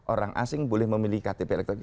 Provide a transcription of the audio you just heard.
orang asing boleh memilih ktp elektronik